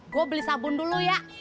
gue beli sabun dulu ya